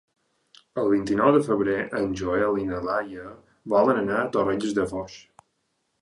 El vint-i-nou de febrer en Joel i na Laia volen anar a Torrelles de Foix.